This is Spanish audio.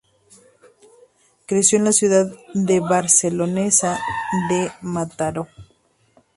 Creció en la ciudad barcelonesa de Mataró.